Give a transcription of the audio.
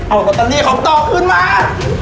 เอาตัวตัวนี้ของต่อขึ้นมา